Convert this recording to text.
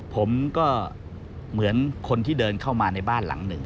ผมก็เหมือนคนที่เดินเข้ามาในบ้านหลังหนึ่ง